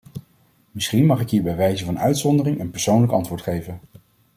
Misschien mag ik hier bij wijze van uitzondering een persoonlijk antwoord geven.